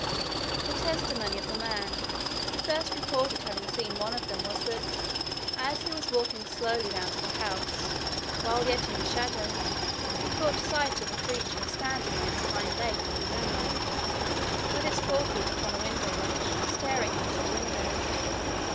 The testimony of the man who first reported having seen one of them was that, as he was walking slowly round the house, while yet in the shadow, he caught sight of a creature standing on its hind legs in the moonlight, with its forefeet upon a window ledge, staring in at the window.